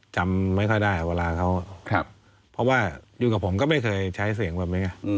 จำไม่ค่อยได้เวลาเขาเพราะว่าอยู่กับผมก็ไม่เคยใช้เสียงแบบนี้ไง